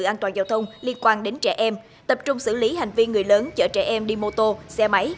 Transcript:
an toàn giao thông liên quan đến trẻ em tập trung xử lý hành vi người lớn chở trẻ em đi mô tô xe máy